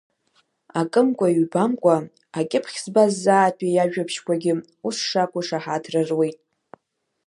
Акымкәа-иҩбамкәа акьыԥхь збаз заатәи иажәабжьқәагьы ус шакәу шаҳаҭра руит.